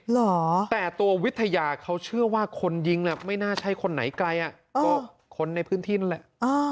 เหรอแต่ตัววิทยาเขาเชื่อว่าคนยิงไม่น่าใช่คนไหนไกลก็คนในพื้นที่นั่นแหละ